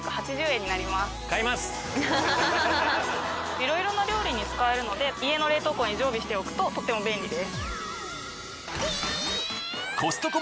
いろいろな料理に使えるので家の冷凍庫に常備しておくととっても便利です。